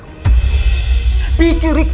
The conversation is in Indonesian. bahkan dia tega celakain kamu